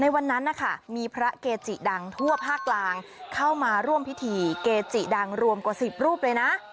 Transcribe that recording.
วันนั้นนะคะมีพระเกจิดังทั่วภาคกลางเข้ามาร่วมพิธีเกจิดังรวมกว่า๑๐รูปเลยนะ